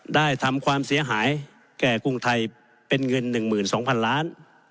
ได้ทำความเสียหายแก่กรุงไทยเป็นเงิน๑๒๐๐๐ล้าน